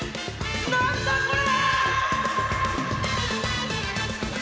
なんだこれ！